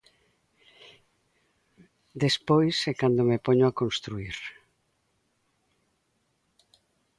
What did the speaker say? Despois é cando me poño a construír.